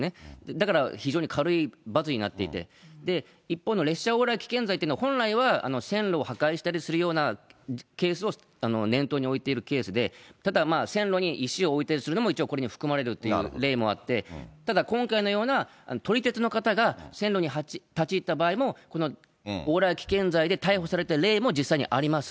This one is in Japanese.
だから非常に軽い罰になっていて、一方の列車往来危険罪というのは、本来は線路を破壊したりするようなケースを念頭に置いているケースで、ただ、線路に石を置いたりするのも、一応これに含まれるという例もあって、ただ今回のような撮り鉄の方が線路に立ち入った場合も、この往来危険罪で逮捕された例も実際にあります。